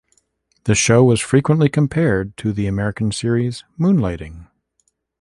The show was frequently compared to the American series "Moonlighting".